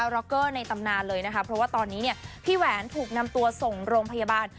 ร็อกเกอร์ในตำนานเลยนะคะเพราะว่าตอนนี้เนี่ยพี่แหวนถูกนำตัวส่งโรงพยาบาล